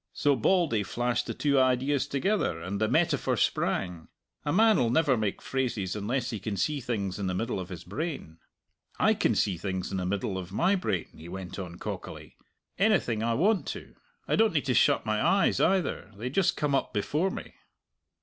So Bauldy flashed the two ideas together, and the metaphor sprang! A man'll never make phrases unless he can see things in the middle of his brain. I can see things in the middle of my brain," he went on cockily "anything I want to! I don't need to shut my eyes either. They just come up before me."